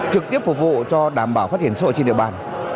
trực tiếp phục vụ cho đảm bảo phát triển xã hội trên địa bàn